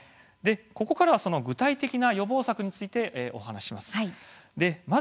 ここからはその具体的な予防策についてお話しします。